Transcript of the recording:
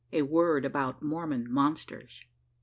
A WORD ABOUT MORMON MONSTERS.